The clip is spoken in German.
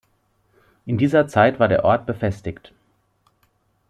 In dieser Zeit war der Ort befestigt.